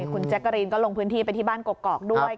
คุณแจ๊กกะรีนก็ลงพื้นที่ไปที่บ้านกอกด้วย